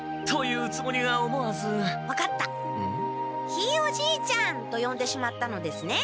「ひいおじいちゃん！」とよんでしまったのですね？